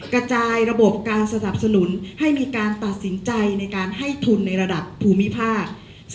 กระจายระบบการสนับสนุนให้มีการตัดสินใจในการให้ทุนในระดับภูมิภาค